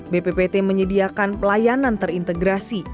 bppt menyediakan pelayanan terintegrasi